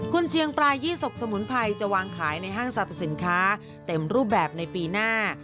คุณเชียงปลายี่สกสมุนไพรจะวางขายในห้างสรรพสินค้าเต็มรูปแบบในปีหน้า